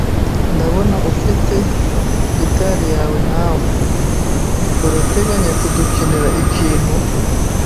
Ndabona ufite gitari yawe nawe. Urateganya kudukinira ikintu?